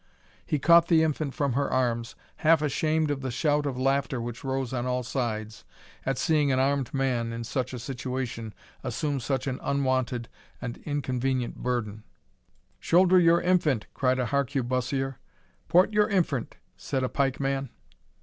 He caught the infant from her arms, half ashamed of the shout of laughter which rose on all sides, at seeing an armed man in such a situation assume such an unwonted and inconvenient burden. "Shoulder your infant!" cried a harquebusier. "Port your infant!" said a pikeman.